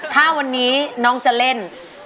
ถ้าวันนี้น้องจะเล่น